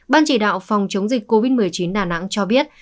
ban chỉ đạo phòng chống dịch covid một mươi chín đà nẵng cho biết